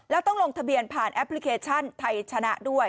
แล้วต้องลงทะเบียนผ่านแอปพลิเคชันไทยชนะด้วย